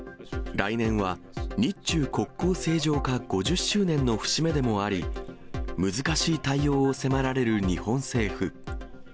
来年は日中国交正常化５０周年の節目でもあり、難しい対応を迫られる日本政府。